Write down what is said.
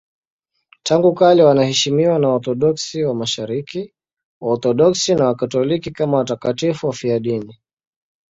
Tangu kale wanaheshimiwa na Waorthodoksi wa Mashariki, Waorthodoksi na Wakatoliki kama watakatifu wafiadini.